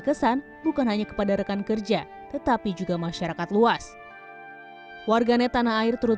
kesan bukan hanya kepada rekan kerja tetapi juga masyarakat luas warganet tanah air turut